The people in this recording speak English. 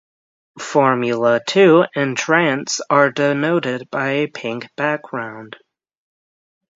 Formula Two entrants are denoted by a pink background.